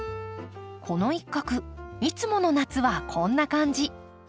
この一画いつもの夏はこんな感じ。